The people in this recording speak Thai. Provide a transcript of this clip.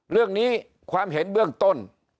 เรื่องนี้ความเห็นเบื้องต้น